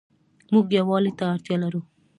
موږ يووالي ته اړتيا لرو